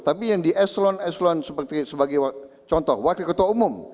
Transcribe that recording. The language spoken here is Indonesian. tapi yang di eselon eselon sebagai contoh wakil ketua umum